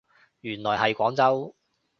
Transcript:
原來係廣州